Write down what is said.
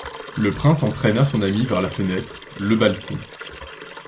Le prince entraîna son ami vers la fenêtre, le balcon.